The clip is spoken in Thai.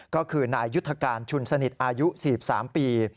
ก็คือนายยุทธการชุนสนิทอายุ๔๓ปี